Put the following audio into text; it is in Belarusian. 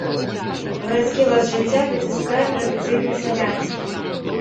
Гарадскі лад жыцця выціскае традыцыйны сялянскі.